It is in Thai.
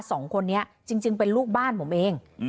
สองคนนี้จริงเป็นลูกบ้านผมเอง